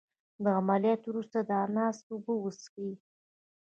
د عملیات وروسته د اناناس اوبه وڅښئ